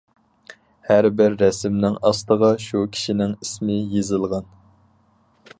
ھەربىر رەسىمنىڭ ئاستىغا شۇ كىشىنىڭ ئىسمى يېزىلغان.